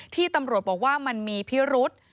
ที่ตำรวจบอกว่ามันมีพิรุษ